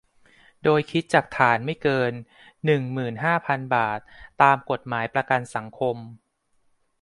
โดยคิดจากฐานไม่เกิน หนึ่งหมื่นห้าพัน บาท ตามกฎหมายประกันสังคม